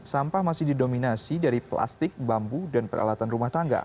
sampah masih didominasi dari plastik bambu dan peralatan rumah tangga